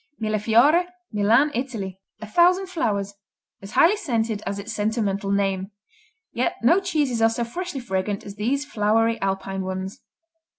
Millefiori Milan, Italy A Thousand Flowers as highly scented as its sentimental name. Yet no cheeses are so freshly fragrant as these flowery Alpine ones.